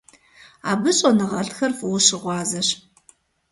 Абы щӏэныгъэлӏхэр фӀыуэ щыгъуазэщ.